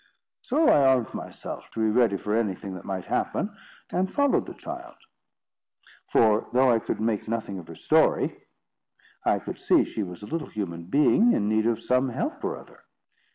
"So I armed myself, to be ready for anything that might happen, and followed the child; for, though I could make nothing of her story, I could see she was a little human being in need of some help or other.